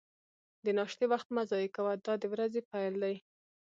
د ناشتې وخت مه ضایع کوه، دا د ورځې پیل دی.